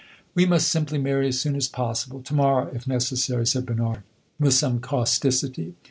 "We must simply marry as soon as possible; to morrow, if necessary," said Bernard, with some causticity.